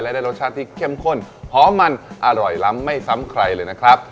และได้รสชาติที่เข้มข้นหอมมันอร่อยล้ำไม่ซ้ำใครเลยนะครับ